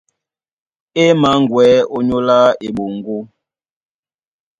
E mǎŋgwɛ̌ ónyólá eɓoŋgó.